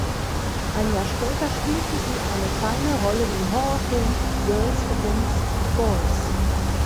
Ein Jahr später spielte sie eine kleine Rolle im Horrorfilm "Girls Against Boys".